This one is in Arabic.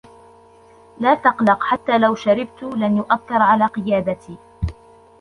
لا تقلق! حتى لو شَرِبت, لن يؤثرعلى قيادتي.